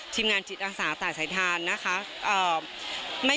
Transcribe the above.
ทีมงานจิตอาสาตายสายทานนะคะ